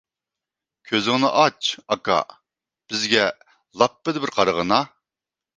كۆزۈڭنى ئاچ، ئاكا، بىزگە لاپپىدە بىر قارىغىنا!